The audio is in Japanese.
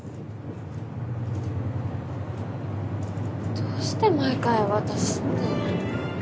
どうして毎回私って。